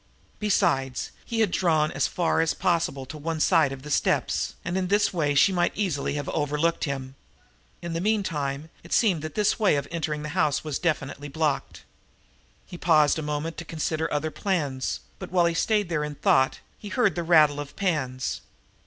Besides, he had drawn as far as possible to one side of the steps, and in this way she might easily have overlooked him. In the meantime it seemed that this way of entering the house was definitely blocked. He paused a moment to consider other plans, but, while he stayed there in thought, he heard the rattle of pans.